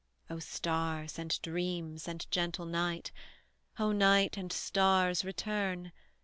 Oh, stars, and dreams, and gentle night; Oh, night and stars, return!